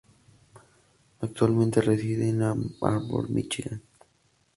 Actualmente reside en Ann Arbor, Michigan.